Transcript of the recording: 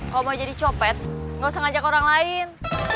kau mau jadi copet enggak usah ngajak orang lain